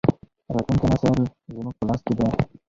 راتلونکی نسل زموږ په لاس کې دی.